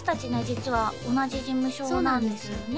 実は同じ事務所なんですよね